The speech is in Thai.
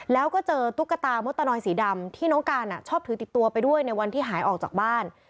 แล้วก็เจอตุ๊กตามดตะนอยสีดำที่น้องการชอบถือติดตัวไปด้วยในวันที่หายออกจากบ้าน